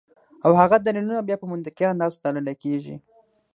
او هغه دليلونه بیا پۀ منطقي انداز تللے کيږي